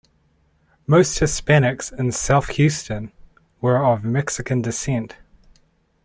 Most Hispanics in South Houston were of Mexican descent.